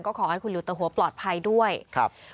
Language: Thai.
ก็ขอให้คุณหลิวตะหัวปลอดภัยด้วยครับ